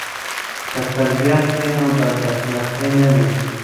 که تربیت وي نو بداخلاقي نه وي.